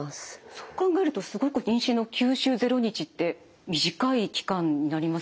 そう考えるとすごく妊娠の９週０日って短い期間になりますよね。